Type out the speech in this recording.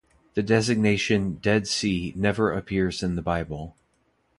The designation "Dead Sea" never appears in the Bible.